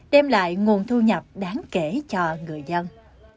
đem lại nguồn thu nhập đáng kể cho người dân